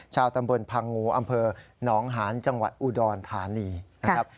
ชาวตำบลพังงูอำเภอหนองหานจังหวัดอุดรธานีนะครับ